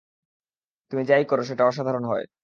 তুমি যা-ই করো সেটা অসাধারণ হয়।